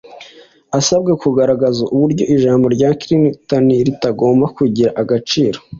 Asabwe kugaragaza uburyo ijambo rya Clinton ritagomba kugira agaciro